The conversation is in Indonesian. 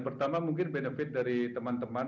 pertama mungkin benefit dari teman teman